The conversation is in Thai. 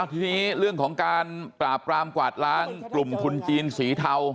ทีนี้เรื่องของการปราบปรามกวาดล้างกลุ่มทุนจีนสีเทา